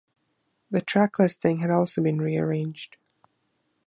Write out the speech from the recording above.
The track listing had also been rearranged.